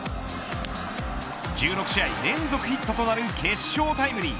１６試合連続ヒットとなる決勝タイムリー。